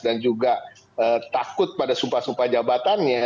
dan juga takut pada sumpah sumpah jabatannya